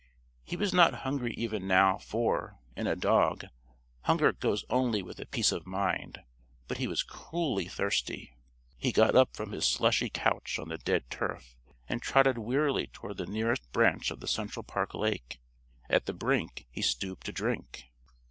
He was not hungry even now for, in a dog, hunger goes only with peace of mind, but he was cruelly thirsty. He got up from his slushy couch on the dead turf and trotted wearily toward the nearest branch of the Central Park lake. At the brink he stooped to drink.